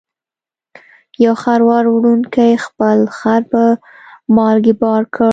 یو خروار وړونکي خپل خر په مالګې بار کړ.